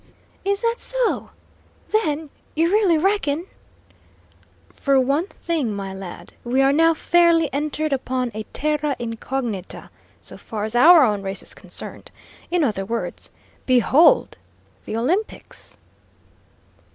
"Is that so? Then you really reckon " "For one thing, my lad, we are now fairly entered upon a terra incognita, so far as our own race is concerned. In other words, behold, the Olympics!"